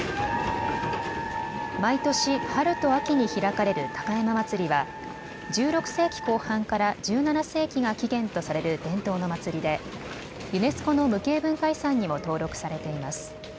毎年、春と秋に開かれる高山祭は１６世紀後半から１７世紀が起源とされる伝統の祭りでユネスコの無形文化遺産にも登録されています。